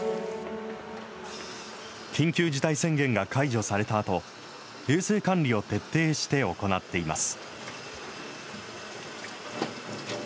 緊急事態宣言が解除されたあと、衛生管理を徹底して行っています。